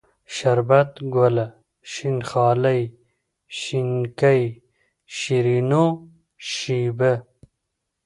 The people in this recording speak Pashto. شربت گله ، شين خالۍ ، شينکۍ ، شيرينو ، شېبه